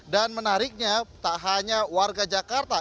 dan menariknya tak hanya warga jakarta